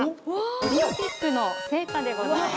オリンピックの聖火でございます。